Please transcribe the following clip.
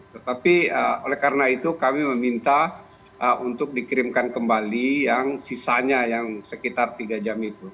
tetapi oleh karena itu kami meminta untuk dikirimkan kembali yang sisanya yang sekitar tiga jam itu